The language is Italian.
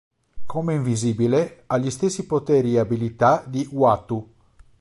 Come Invisibile ha gli stessi poteri e abilità di Uatu.